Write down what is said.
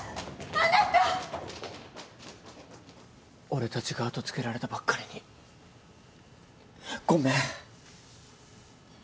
俺たちが後つけられたばっかりにごめん。